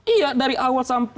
iya dari awal sampai